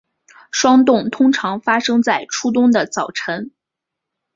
霜冻通常发生在初冬的早晨。